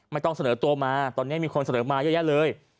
ไม่ต้องเสนอตัวมาตอนนี้มีคนเสนอมาเยอะแยะเลย